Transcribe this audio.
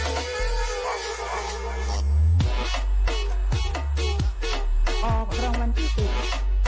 ออกรองมันพิธี